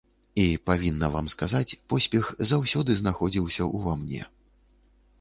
І, павінна вам сказаць, поспех заўсёды знаходзіўся ўва мне.